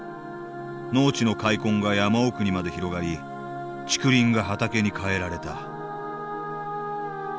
農地の開墾が山奥にまで広がり竹林が畑に変えられた。